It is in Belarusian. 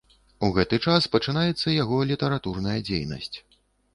У гэты час пачынаецца яго літаратурная дзейнасць.